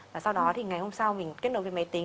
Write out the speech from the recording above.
và sau đó thì ngày hôm sau mình kết nối với máy tính